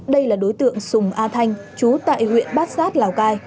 đây là đối tượng sùng a thanh chú tại huyện bát sát lào cai